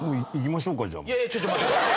いやいやちょっと待ってください！